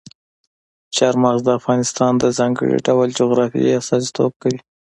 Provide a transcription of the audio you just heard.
چار مغز د افغانستان د ځانګړي ډول جغرافیه استازیتوب کوي.